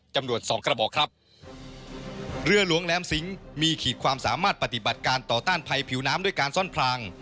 จำนวนสองกระบอกครับเรือหลวงแหลมสิงมีขีดความสามารถปฏิบัติการต่อต้านภัยผิวน้ำด้วยการซ่อนพราง